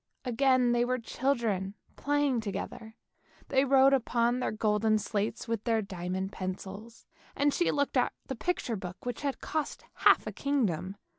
Again they were children playing together: they wrote upon the golden slates with their diamond pencils, and she looked at the picture book which had cost half a kingdom.